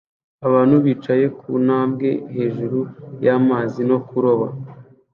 Abantu bicaye ku ntambwe hejuru y'amazi no kuroba